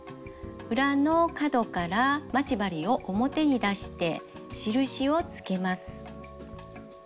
裏の角から待ち針を表に出して印をつけます。